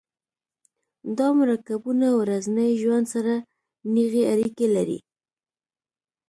دا مرکبونه ورځني ژوند سره نیغې اړیکې لري.